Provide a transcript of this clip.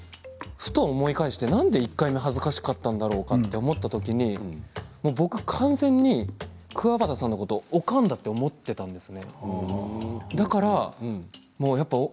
ふと思い返してなんで１回目が恥ずかしかったかと思い返した時に僕、完全に、くわばたさんのことおかんだと思っていたんですね。